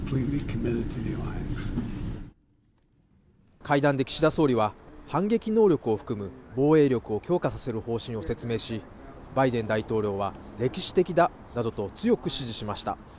会談で岸田総理は反撃能力を含む防衛力を強化させる方針を説明し、バイデン大統領は歴史的だなどと強く支持しました。